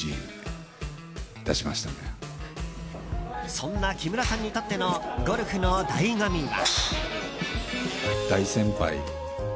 そんな木村さんにとってのゴルフの醍醐味は？